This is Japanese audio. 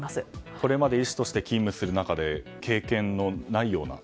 これまで医師として勤務する中で経験のないような。